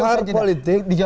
dijawabnya sudah tidak